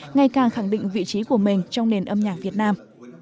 ngày càng khẳng định vị trí của mình trong nền âm nhạc việt nam